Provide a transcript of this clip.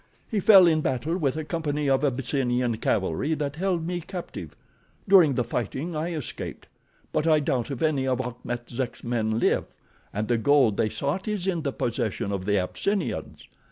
He fell in battle with a company of Abyssinian cavalry that held me captive. During the fighting I escaped; but I doubt if any of Achmet Zek's men live, and the gold they sought is in the possession of the Abyssinians.